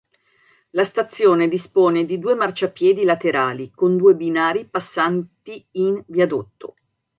La stazione dispone di due marciapiedi laterali con due binari passanti in viadotto.